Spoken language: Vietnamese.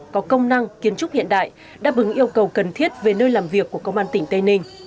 có công năng kiến trúc hiện đại đáp ứng yêu cầu cần thiết về nơi làm việc của công an tỉnh tây ninh